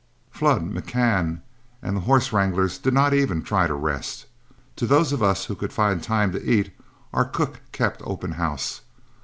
Flood, McCann, and the horse wranglers did not even try to rest. To those of us who could find time to eat, our cook kept open house.